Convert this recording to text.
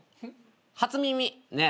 初耳ねえ。